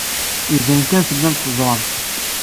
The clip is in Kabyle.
Iban kan tellamt teẓramt.